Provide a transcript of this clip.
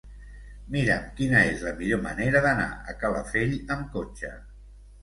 Mira'm quina és la millor manera d'anar a Calafell amb cotxe.